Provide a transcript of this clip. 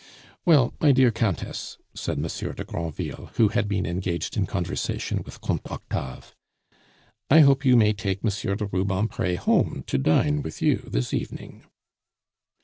"Well, my dear Countess," said Monsieur de Granville, who had been engaged in conversation with Comte Octave, "I hope you may take Monsieur de Rubempre home to dine with you this evening."